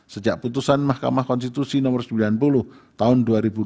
sejak putusan mahkamah konstitusi nomor sembilan puluh tahun dua ribu dua puluh